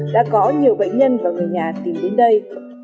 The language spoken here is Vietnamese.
đã có nhiều bệnh nhân và người nhà tìm đến đây